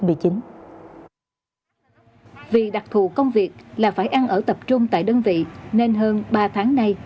vì đặc thù công việc là phải ăn ở tập trung tại đơn vị nên hơn ba tháng nay